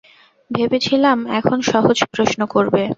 ভেবেছিলাম এখন সহজ প্রশ্ন করবে!